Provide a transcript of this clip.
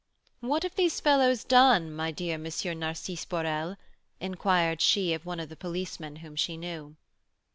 "What have these fellows done, my dear M. Narcisse Borel?" inquired she of one of the policemen whom she knew.